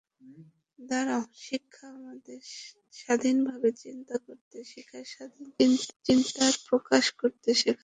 শিক্ষা আমাদের স্বাধীনভাবে চিন্তা করতে শেখায়, স্বাধীন চিন্তার প্রকাশ করতে শেখায়।